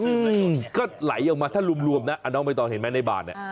อืมก็ไหลออกมาถ้ารุมนะน้องไม่ต้องเห็นไหมในบาน